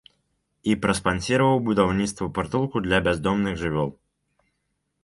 І праспансіраваў будаўніцтва прытулку для бяздомных жывёл.